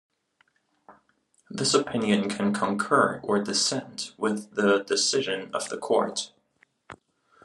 This opinion can concur or dissent with the decision of the Court.